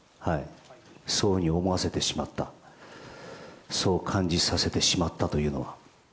そういうふうに思わせてしまった、そう感じさせてしまったというのは。